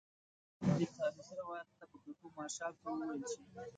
دې تاریخي روایت ته په کتو مارشال ته وویل شي.